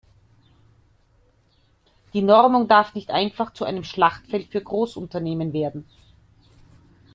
Die Normung darf nicht einfach zu einem Schlachtfeld für Großunternehmen werden.